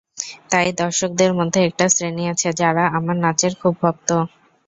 তাই দর্শকদের মধ্যে একটা শ্রেণি আছে, যারা আমার নাচের খুব ভক্ত।